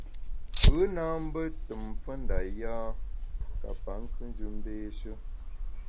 Kù na mbe tùm mfe nda yâ ka pa nkùnjù mbééshe.